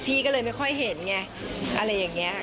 พี่ก็เลยไม่ค่อยเห็นไงอะไรอย่างนี้ค่ะ